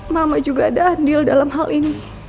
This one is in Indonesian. mama juga ada andil dalam hal ini